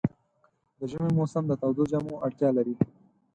د ژمي موسم د تودو جامو اړتیا لري.